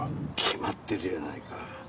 決まってるじゃないか。